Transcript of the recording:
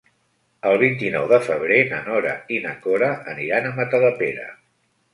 El vint-i-nou de febrer na Nora i na Cora aniran a Matadepera.